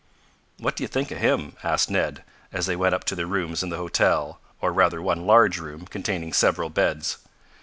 "What do you think of him?" asked Ned, as they went up to their rooms in the hotel, or rather one large room, containing several beds.